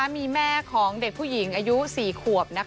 มีแม่ของเด็กผู้หญิงอายุ๔ขวบ